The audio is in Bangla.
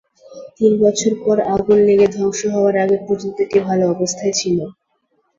তিন বছর পর আগুন লেগে ধ্বংস হওয়ার আগে পর্যন্ত এটি ভাল অবস্থায় ছিল।